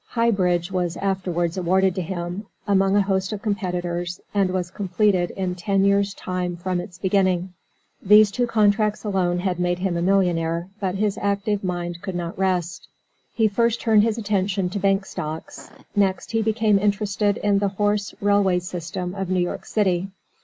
High Bridge was afterwards awarded to him, among a host of competitors, and was completed in ten years' time from its beginning. These two contracts alone had made him a millionaire, but his active mind could not rest. He first turned his attention to bank stocks. Next he became interested in the horse railway system of New York city.